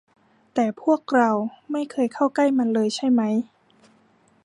แต่พวกเราไม่เคยเข้าใกล้มันเลยใช่ไหม